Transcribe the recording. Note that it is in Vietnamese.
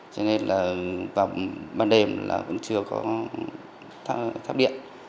cho nên vào ban đêm vẫn chưa có tháp điện